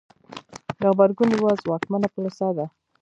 د غبرګون یوه ځواکمنه پروسه ده.